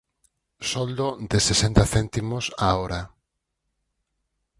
Soldo de sesenta céntimos á hora.